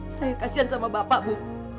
saya kasihan sama bapakmu